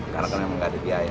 karena memang gak ada biaya